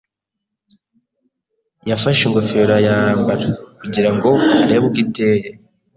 Yafashe ingofero arayambara kugira ngo arebe uko iteye.